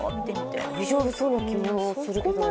大丈夫そうな気もするけど。